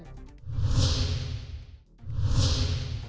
ketiga ada masker yang bagus ada masker yang mahal